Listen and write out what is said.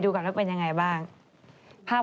คุณแม่จำด้า